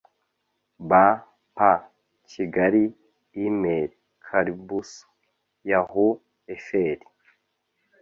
b p kigali email carbuso.yahoo fr